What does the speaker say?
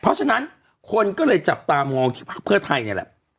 เพราะฉะนั้นคนก็เลยจับตามองที่พักเพื่อไทยนี่แหละ